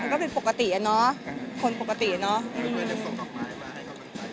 มันก็เป็นปกติเนาะคนปกติเนาะ